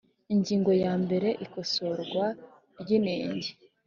Ingingo ya mbere Ikosorwa ry inenge